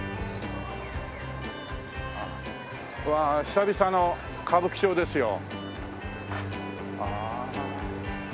久々の歌舞伎町ですよ。